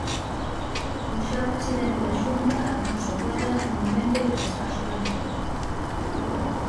O xa presidente da Xunta, Alfonso Rueda, no momento de prestar xuramento.